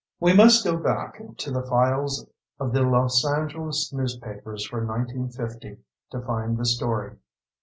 We must go back to the files of the Los Angeles newspapers for 1950 to find the story.